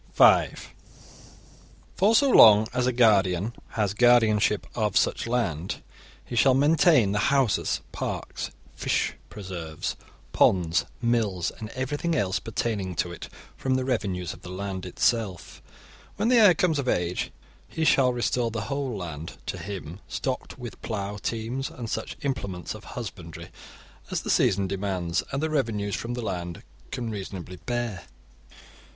(5) For so long as a guardian has guardianship of such land, he shall maintain the houses, parks, fish preserves, ponds, mills, and everything else pertaining to it, from the revenues of the land itself. When the heir comes of age, he shall restore the whole land to him, stocked with plough teams and such implements of husbandry as the season demands and the revenues from the land can reasonably bear.